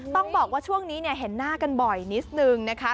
ต้องบอกว่าช่วงนี้เห็นหน้ากันบ่อยนิดนึงนะคะ